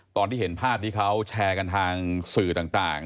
ตอนที่เห็นภาพที่เขาแชร์กันทางสื่อต่าง